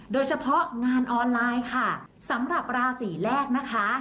โดยเฉพาะงานออนไลน์ค่ะสำหรับราศีแรกนะคะ